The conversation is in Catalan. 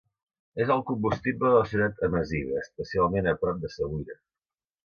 És el combustible de la societat amaziga, especialment a prop d'Essaouira.